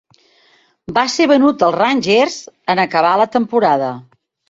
Va ser venut als Rangers en acabar la temporada.